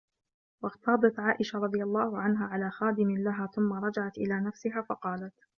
وَاغْتَاظَتْ عَائِشَةُ رَضِيَ اللَّهُ عَنْهَا عَلَى خَادِمٍ لَهَا ثُمَّ رَجَعَتْ إلَى نَفْسِهَا فَقَالَتْ